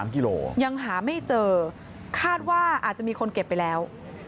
กิโลยังหาไม่เจอคาดว่าอาจจะมีคนเก็บไปแล้ว